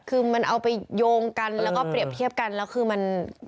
คือมันเอาไปโยงกันแล้วก็เปรียบเทียบกันแล้วคือมัน